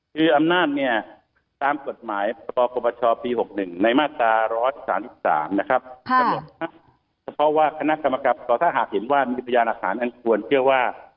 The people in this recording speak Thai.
คืออำนาจเนี่ยตามกฎหมายประกอบประชาปีหกหนึ่งในมาตราร้อยสามสิบสามนะครับค่ะเพราะว่าคณะกรรมกรรมต่อถ้าหากเห็นว่ามีพยานอาคารมันควรเชื่อว่า